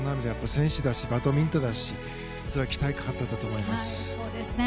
選手だしバドミントンだし期待かかっていたと思います。